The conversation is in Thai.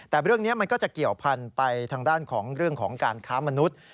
แต่เรื่องนี้มันก็จะเกี่ยวพันธุ์ไปทางด้านของเรื่องของการค้ามนุษย์